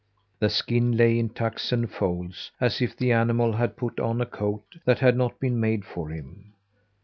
The skin lay in tucks and folds, as if the animal had put on a coat that had not been made for him.